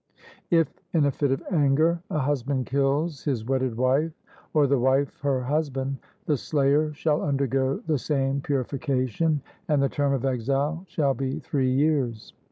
If in a fit of anger a husband kills his wedded wife, or the wife her husband, the slayer shall undergo the same purification, and the term of exile shall be three years.